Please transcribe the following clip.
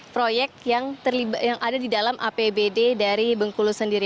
proyek yang ada di dalam apbd dari bengkulu sendiri